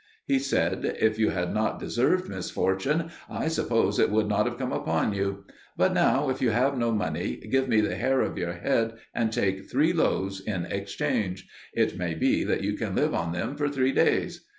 He said, "If you had not deserved misfortune, I suppose it would not have come upon you; but now, if you have no money, give me the hair of your head, and take three loaves in exchange: it may be that you can live on them for three days."